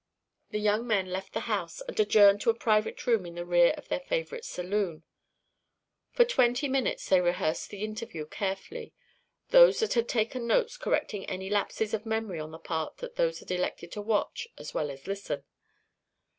The young men left the house and adjourned to a private room in the rear of their favourite saloon. For twenty minutes they rehearsed the interview carefully, those that had taken notes correcting any lapses of memory on the part of those that had elected to watch as well as listen.